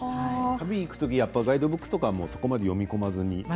旅に行く時やっぱりガイドブックとかはそこまで読み込まずに？